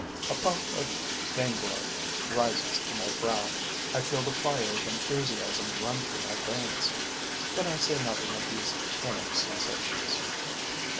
A puff of vainglory rises to my brow; I feel the fire of enthusiasm run through my veins. But I say nothing of these inner sensations.